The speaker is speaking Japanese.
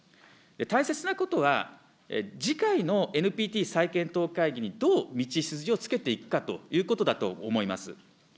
大切なことは、次回のＮＰＴ再検討会議にどう道筋をつけていくかということだと思います。